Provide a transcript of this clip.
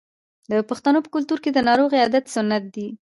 د پښتنو په کلتور کې د ناروغ عیادت سنت دی.